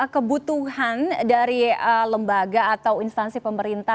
kebutuhan dari lembaga atau instansi pemerintah